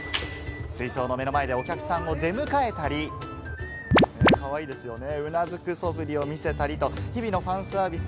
水槽の目の前でお客さんを出迎えたり、かわいいですよね。